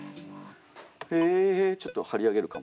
へえちょっと張り上げるかも。